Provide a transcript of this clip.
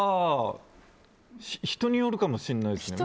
人によるかもしれないですね。